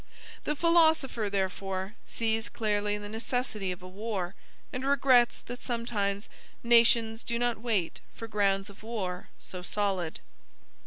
The philosopher, therefore, sees clearly the necessity of a war, and regrets that sometimes nations do not wait for grounds of war so solid.